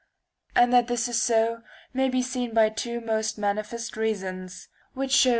And that this is so may be seen by two most manifest reasons, which show IV.